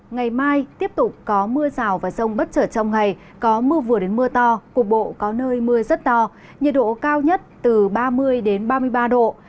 ngày mai tiếp tục có mưa rào và rông bất chợt trong ngày có mưa vừa đến mưa to cục bộ có nơi mưa rất to nhiệt độ cao nhất từ ba mươi ba mươi ba độ